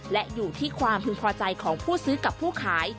และอยู่ที่ความพึงพอใจของผู้ซื้อกับผู้ขาย